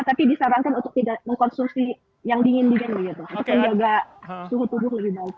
tapi disarankan untuk tidak mengkonsumsi yang dingin dingin begitu